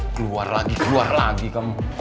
keluar lagi keluar lagi kan